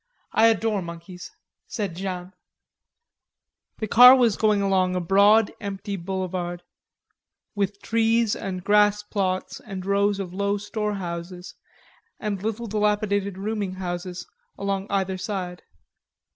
"I adore monkeys," said Jeanne. The car was going along a broad empty boulevard with trees and grass plots and rows of low store houses and little dilapidated rooming houses along either side.